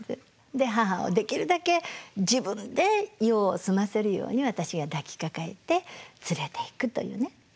で母をできるだけ自分で用を済ませるように私が抱きかかえて連れていくというね。